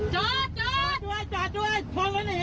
ชนแล้วหนีชนแล้วหนี